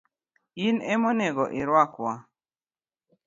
In emonego irwak wa.